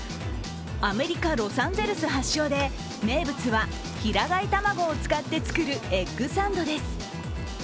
アメリカ・ロサンゼルス発祥で名物は平飼い卵を使って作るエッグサンドです。